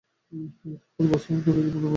এটাই হলো বাস্তব ও সুন্দর জীবন, মেস।